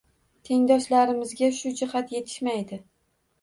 Tengdoshlarimizga shu jihat yetishmaydi.